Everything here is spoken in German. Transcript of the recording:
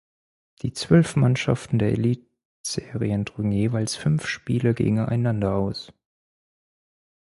Die zwölf Mannschaften der Elitserien trugen jeweils fünf Spiele gegeneinander aus.